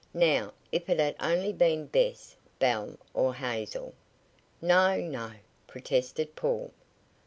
Now if it had only been Bess, Belle or Hazel." "No, no!" protested Paul.